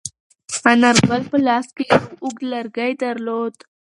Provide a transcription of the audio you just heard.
انارګل په لاس کې یو اوږد لرګی درلود.